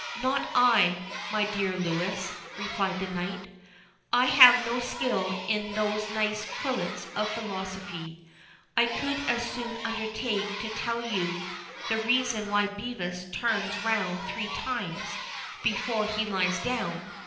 "Not I, my dear Louis," replied the knight; "I have no skill in these nice quillets of philosophy. I could as soon undertake to tell you the reason why Bevis turns round three times before he lies down.